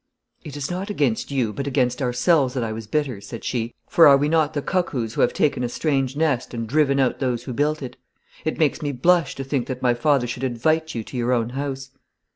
'It is not against you but against ourselves that I was bitter,' said she, 'for are we not the cuckoos who have taken a strange nest and driven out those who built it? It makes me blush to think that my father should invite you to your own house.'